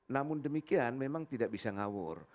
namun demikian memang tidak bisa ngawur